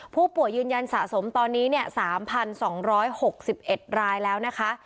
ผู้ป่วยยืนยันสะสมตอนนี้๓๒๖๑รายแล้วนะคะ